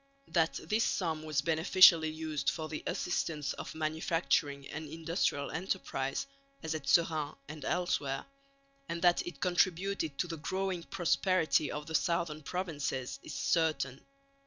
That this sum was beneficially used for the assistance of manufacturing and industrial enterprise, as at Seraing and elsewhere, and that it contributed to the growing prosperity of the southern provinces, is certain.